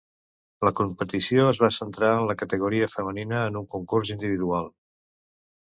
La competició es va centrar en la categoria femenina en un concurs individual.